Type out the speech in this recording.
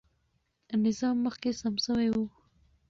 نظام مخکې سم سوی و.